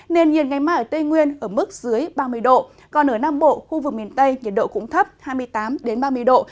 nền nhiệt ngày mai ở tây nguyên ở mức dưới ba mươi độ còn ở nam bộ khu vực miền tây nhiệt độ cũng thấp hai mươi tám ba mươi độ